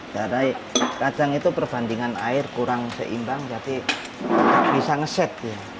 karena kadang itu perbandingan air kurang seimbang jadi bisa ngeset